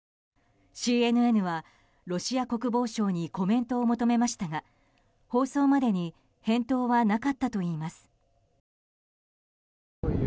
ＣＮＮはロシア国防省にコメントを求めましたが放送までに返答はなかったといいます。